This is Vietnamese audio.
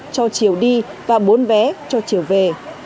cho chiều đi và bốn vé cho chiều về